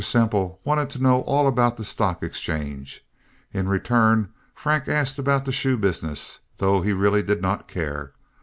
Semple wanted to know all about the stock exchange. In return Frank asked about the shoe business, though he really did not care.